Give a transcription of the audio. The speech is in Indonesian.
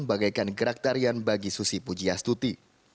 bagaikan gerak tarian bagi susi pujiastuti